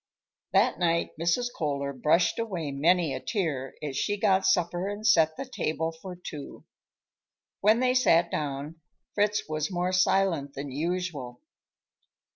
That night Mrs. Kohler brushed away many a tear as she got supper and set the table for two. When they sat down, Fritz was more silent than usual.